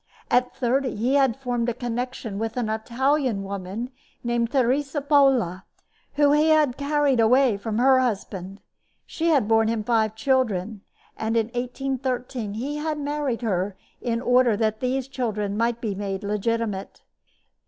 At thirty he had formed a connection with an Italian woman named Teresa Pola, whom he had carried away from her husband. She had borne him five children; and in 1813 he had married her in order that these children might be made legitimate.